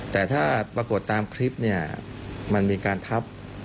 แต่ถ้าปรากฏตามคลิปเนี่ยมันมีการทับ